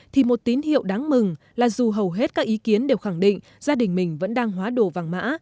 thì một tín hiệu đáng mừng là dù hầu hết các ý kiến đều khẳng định gia đình mình vẫn đang hóa đồ vàng mã